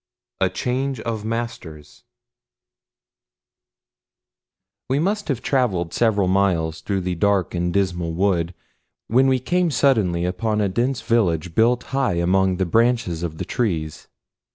III A CHANGE OF MASTERS WE MUST HAVE TRAVELED SEVERAL MILES THROUGH the dark and dismal wood when we came suddenly upon a dense village built high among the branches of the trees.